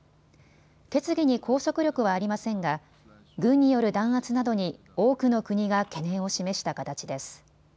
決議に拘束力はありませんが軍による弾圧などに多くの国が懸念を示した形です。